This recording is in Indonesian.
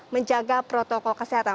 menjaga protokol kesehatan